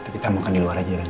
kita makan di luar aja kan